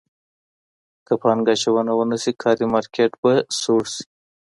که پانګه اچونه ونه سي کاري مارکېټ به سړ سي.